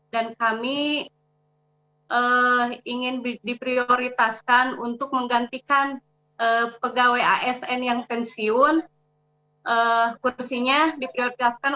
dan kami ingin diprioritaskan untuk menggantikan pegawai asn yang pensiun kursinya diprioritaskan